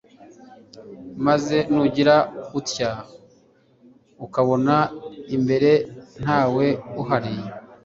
maze nugira utya ukabona imbere ntawe uhari